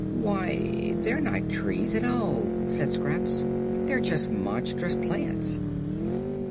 "Why, they are not trees at all," said Scraps; "they are just monstrous plants."